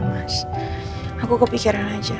apa yang kamu ketahui tadi pak